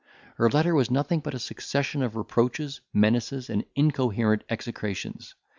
Her letter was nothing but a succession of reproaches, menaces, and incoherent execrations.